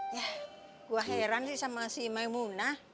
ya gue heran sih sama si maimunah